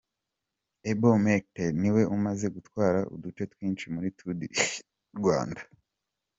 Eyob Metkel niwe umaze gutwara uduce twinshi muri Tour du Rwanda.